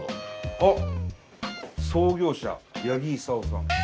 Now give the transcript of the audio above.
あ創業者八木功さん。